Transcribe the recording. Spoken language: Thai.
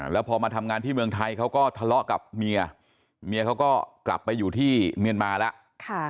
แล้วพอมาทำงานที่เมืองไทยเขาก็ทะเลาะกับเมียเมียเขาก็กลับไปอยู่ที่เมียนมาแล้ว